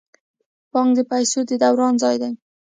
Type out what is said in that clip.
بانک د پیسو د دوران ځای دی